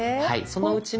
そのうちの。